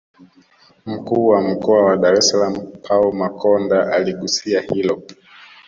Mkuu wa Mkoa wa Dar es salaam Paul Makonda aligusia hilo